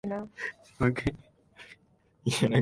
リサイクルにだってエネルギーを消費するんだよ。